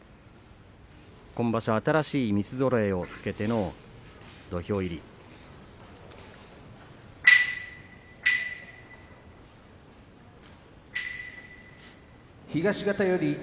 今場所、新しい三つぞろいをつけての土俵入り。